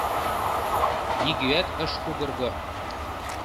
Нигӧат ыш кугырго.